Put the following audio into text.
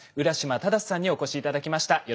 浦島匡さんにお越し頂きました。